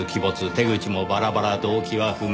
手口もバラバラ動機は不明。